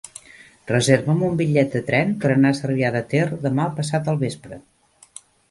Reserva'm un bitllet de tren per anar a Cervià de Ter demà passat al vespre.